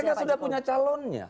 kan mereka sudah punya calonnya